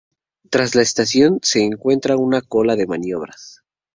Tras la estación, se encuentra una cola de maniobras.